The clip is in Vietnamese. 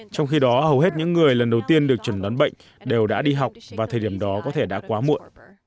trong khi đó hầu hết những người lần đầu tiên được chẩn đoán bệnh đều đã đi học và thời điểm đó có thể đã quá muộn